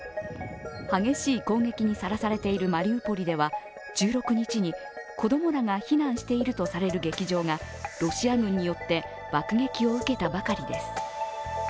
激しい攻撃にさらされているマリウポリでは１６日に子供らが避難しているとされる劇場がロシア軍によって爆撃を受けたばかりです。